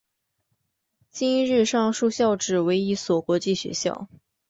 今日上述校扯为一所国际学校。